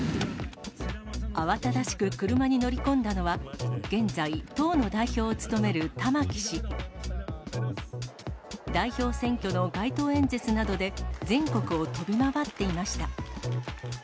慌ただしく車に乗り込んだのは、現在、党の代表を務める玉木氏。代表選挙の街頭演説などで、全国を飛び回っていました。